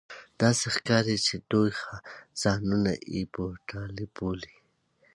داسې ښکاري چې دوی ځانونه اېبودالو بولي